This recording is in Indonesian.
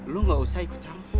lu gak usah ikut campur